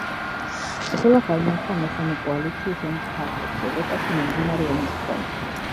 ბრძოლა გაიმართა მესამე კოალიციის ომის ფარგლებში, ევროპაში მიმდინარე ომის ფონზე.